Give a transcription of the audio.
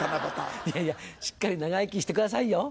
いやいやしっかり長生きしてくださいよ。